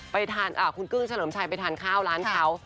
ไปทานคุณกลื้องเฉลิมชัยไปทานข้าวร้านเขา